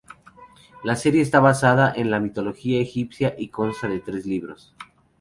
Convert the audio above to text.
La serie está basada en la mitología egipcia y consta de tres libros.